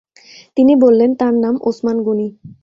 তিনি বললেন, তাঁর নাম ওসমান গনি।